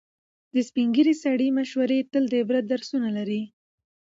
د سپینې ږیرې سړي مشورې تل د عبرت درسونه لري.